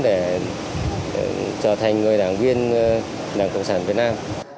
để tạo hiệu ứng tốt trong quá trình thực hiện nhiệm vụ